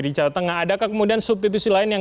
di jawa tengah adakah kemudian substitusi lain yang